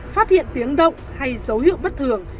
phát hiện tiếng động hay dấu hiệu bất thường